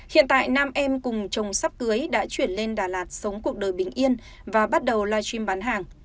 hiện tại nam em cùng chồng sắp cưới đã chuyển lên đà lạt sống cuộc đời bình yên và bắt đầu live stream bán hàng